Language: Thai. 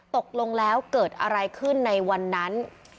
ตกลงแล้วเกิดอะไรขึ้นในวันนั้น